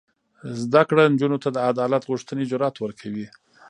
زده کړه نجونو ته د عدالت غوښتنې جرات ورکوي.